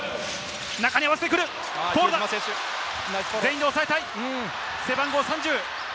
中に合わせてくる、こぼれた、全員で押さえたい背番号３０。